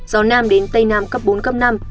gió nam đến tây nam cấp bốn cấp năm